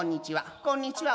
「こんにちは親分」。